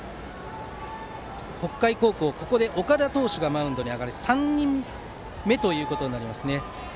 北海高校はここで岡田投手がマウンドに上がって３人目となります。